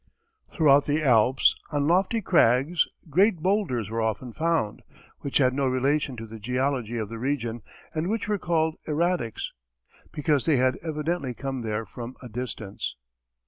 Throughout the Alps, on lofty crags, great bowlders were often found, which had no relation to the geology of the region and which were called erratics, because they had evidently come there from a distance.